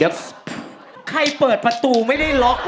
ใครเปิดประตูไม่ได้ล็อกเหรอ